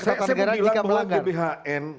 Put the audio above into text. kebataan negara jika melakukan saya bilang bahwa gbhn